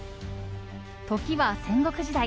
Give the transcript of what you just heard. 時は戦国時代。